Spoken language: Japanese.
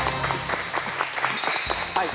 はい。